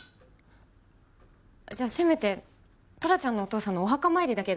じゃあせめてトラちゃんのお父さんのお墓参りだけでも。